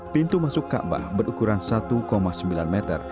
pintu masuk kaabah berukuran satu sembilan meter